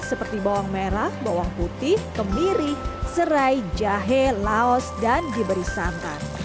seperti bawang merah bawang putih kemiri serai jahe laos dan diberi santan